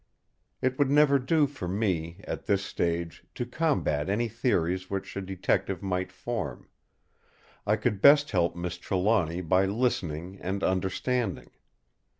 It would never do for me, at this stage, to combat any theories which a detective might form. I could best help Miss Trelawny by listening and understanding.